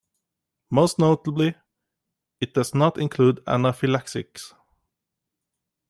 Most notably, it does not include anaphylaxis.